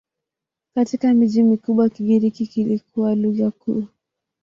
Katika miji mikubwa Kigiriki kilikuwa lugha kuu.